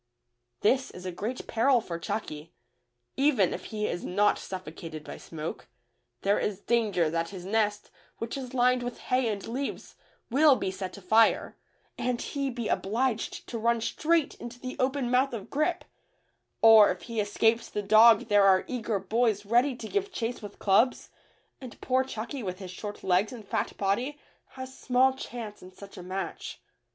This is a great peril for Chucky, — even if he is not suffocated by smoke, there is danger that his nest, which is lined with hay and leaves, will be set afire, and he be obliged to run straight into the open mouth of Grip, or if he escapes the dog there are eager boys ready to give chase with clubs, and poor Chucky with his short legs and fat body has small chance in such a match.